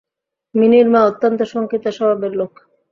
মিনির মা অত্যন্ত শঙ্কিত স্বভাবের লোক।